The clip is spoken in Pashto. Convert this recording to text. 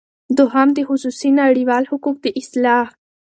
دوهم د خصوصی نړیوال حقوق دا اصطلاح